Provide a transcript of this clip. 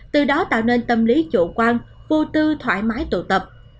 từ đó tạo nên tâm lý chủ quan vô tư thoải mái tụ tập